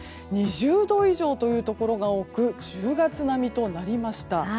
２０度以上というところが多く１０月並みとなりました。